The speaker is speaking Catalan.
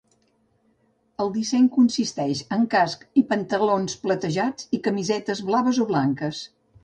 El disseny consisteix en cascs i pantalons platejats i camisetes blaves o blanques.